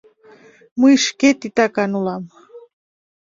«Мый шке титакан улам.